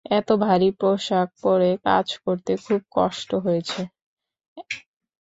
এত ভারী পোশাক পরে কাজ করতে খুব কষ্ট হয়েছে।